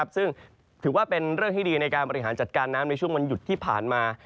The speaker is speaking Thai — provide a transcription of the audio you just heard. ซึ่งถือว่าเป็นเรื่องที่ดีในการบริหารจัดการน้ำในช่วงวันหยุดที่ผ่านมา